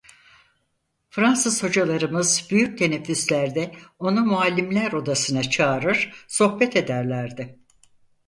Fransız hocalarımız büyük teneffüslerde onu muallimler odasına çağırır sohbet ederlerdi…